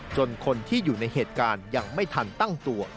คนที่อยู่ในเหตุการณ์ยังไม่ทันตั้งตัว